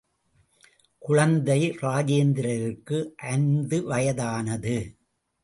குழந்தை இராஜேந்திரருக்கு ஐந்து வயதானது.